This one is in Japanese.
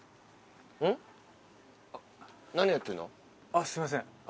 あっすいません。